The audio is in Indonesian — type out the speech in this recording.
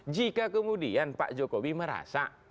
jika kemudian pak jokowi merasa